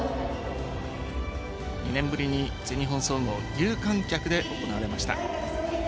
２年ぶりに全日本総合有観客で行われました。